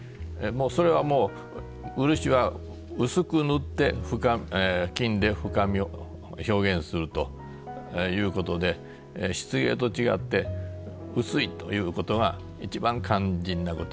それはもう漆は薄く塗って金で深みを表現するということで漆芸と違って薄いということが一番肝心なことになります。